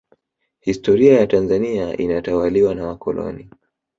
historia ya tanzania inatawaliwa na wakoloni